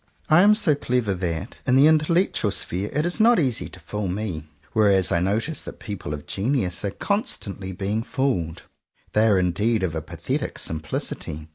I am so clever that, in the intellectual sphere, it is not easy to fool me; whereas I notice that people of genius are constantly being fooled. They are indeed of a pathetic simplicity.